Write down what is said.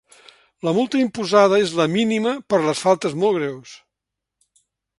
La multa imposada és la mínima per les faltes molt greus.